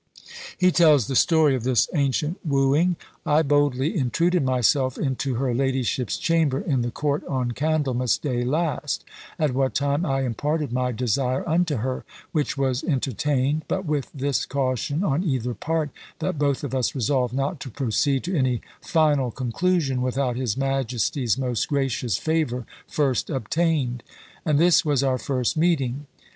He tells the story of this ancient wooing "I boldly intruded myself into her ladyship's chamber in the court on Candlemas day last, at what time I imparted my desire unto her, which was entertained, but with this caution on either part, that both of us resolved not to proceed to any final conclusion without his majesty's most gracious favour first obtained. And this was our first meeting!